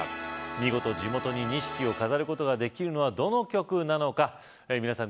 見事地元に錦を飾ることができるのはどの局なのか皆さん